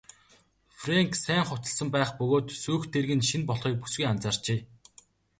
Фрэнк сайн хувцасласан байх бөгөөд сүйх тэрэг нь шинэ болохыг бүсгүй анзаарчээ.